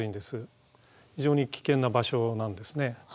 非常に危険な場所なんですね。